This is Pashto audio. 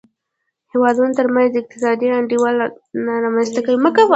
د هېوادونو ترمنځ اقتصادي انډول نه رامنځته کوي.